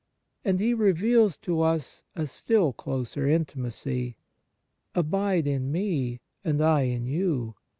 And He reveals to us a still closer intimacy :" Abide in Me, and I in you.